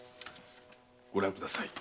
ご覧ください。